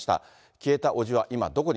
消えた伯父は、今、どこに。